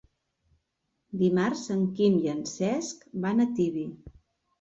Dimarts en Quim i en Cesc van a Tibi.